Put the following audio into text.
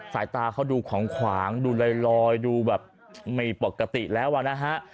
สายตาเขาดูของขวางดูลอยดูแบบไม่ปกติแล้วอ่ะนะฮะ